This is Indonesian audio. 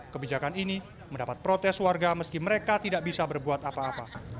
kebijakan ini mendapat protes warga meski mereka tidak bisa berbuat apa apa